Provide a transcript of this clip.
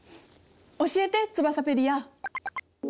教えてツバサペディア！